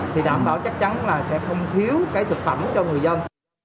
thì đảm bảo chắc chắn là sẽ không thiếu cái thực phẩm cho người dân